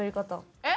えっ？